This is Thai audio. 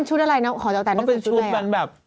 ชุดอะไรนะขอตัวแต่ลูกฝันชุดอะไรอ่ะ